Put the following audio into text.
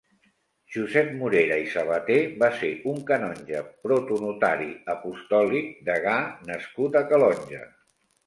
Josep Morera i Sabater va ser un canonge, protonotari apostòlic, degà nascut a Calonge.